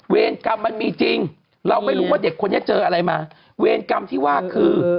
กรรมมันมีจริงเราไม่รู้ว่าเด็กคนนี้เจออะไรมาเวรกรรมที่ว่าคือ